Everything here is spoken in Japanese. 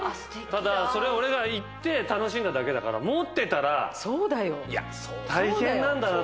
ただそれは俺が行って楽しんだだけだから持ってたら大変なんだな